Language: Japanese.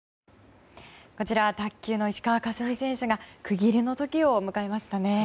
こちらは卓球の石川佳純選手が区切りの時を迎えましたね。